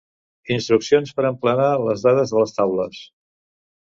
Instruccions per emplenar les dades de les taules.